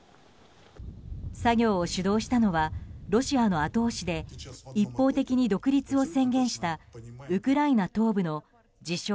作業を主導したのはロシアの後押しで一方的に独立を宣言したウクライナ東部の自称